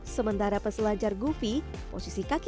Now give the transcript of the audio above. sementara peselancar govi posisi kaki